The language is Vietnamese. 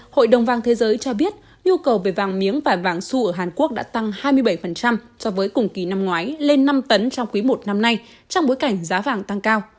hội đồng vàng thế giới cho biết nhu cầu về vàng miếng và vàng su ở hàn quốc đã tăng hai mươi bảy so với cùng kỳ năm ngoái lên năm tấn trong quý i năm nay trong bối cảnh giá vàng tăng cao